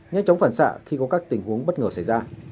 nhanh chóng phản xạ khi có các tình huống bất ngờ xảy ra